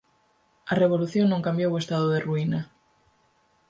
A Revolución non cambiou o estado de ruína.